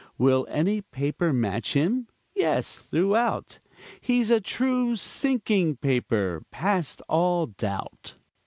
Will any paper match him? Yes, throughout. He's a true sinking paper, past all doubt.